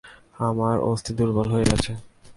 আমার অস্থি দুর্বল হয়ে গেছে।